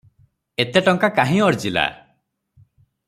ଏତେ ଟଙ୍କା କାହିଁ ଅର୍ଜିଲା?